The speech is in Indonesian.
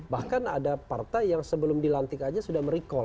bahkan ada partai yang sebelum dilantik aja sudah merecall